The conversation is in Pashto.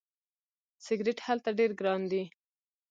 سیګرټ هلته ډیر ګران دي.